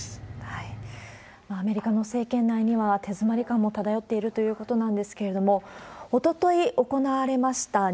アメリカの政権内には、手詰まり感も漂っているということなんですけれども、おととい行われました